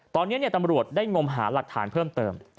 ตอนนี้ตำรวจได้งมหาหลักฐานเพิ่มเติม